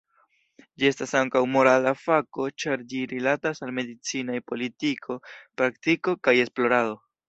Ĝi estas ankaŭ morala fako ĉar ĝi rilatas al medicinaj politiko, praktiko, kaj esplorado.